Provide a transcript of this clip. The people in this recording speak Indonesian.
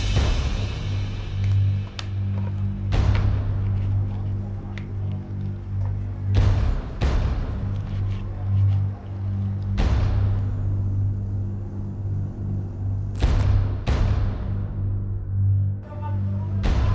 jangan lupa like share dan subscribe ya